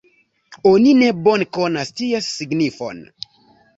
Oni ne bone konas ties signifon.